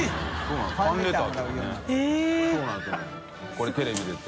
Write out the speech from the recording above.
これテレビで」って。